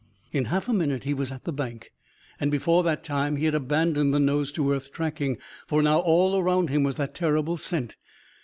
In half a minute he was at the bank. And before that time, he had abandoned the nose to earth tracking. For now all around him was that terrible scent.